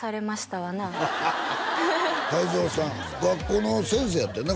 わな海象さん学校の先生やったんよな